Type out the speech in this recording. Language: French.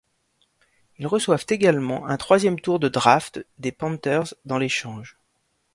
Ils reçoivent également un troisième tour de draft des Panthers dans l'échange.